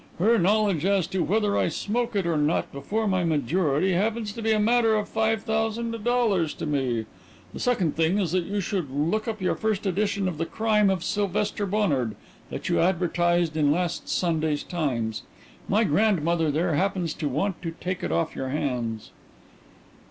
Her knowledge as to whether I smoke it or not before my majority happens to be a matter of five thousand dollars to me. The second thing is that you should look up your first edition of the 'Crime of Sylvester Bonnard' that you advertised in last Sunday's Times. My grandmother there happens to want to take it off your hands."